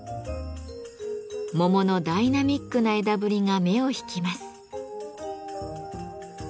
桃のダイナミックな枝ぶりが目を引きます。